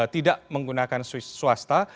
tidak menggunakan swasta